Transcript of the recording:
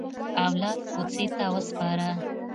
اولاد کوڅې ته وسپاره.